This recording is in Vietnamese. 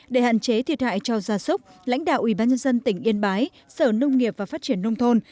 để hạn chế thiệt hại cho gia súc lãnh đạo ủy ban nhân dân tỉnh yên bái sở nông nghiệp và phát triển nông thôn